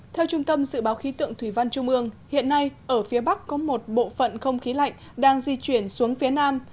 theo trung tâm dự báo khí tượng thủy văn trung ương hiện nay ở phía bắc có một bộ phận không khí lạnh đang di chuyển xuống phía nam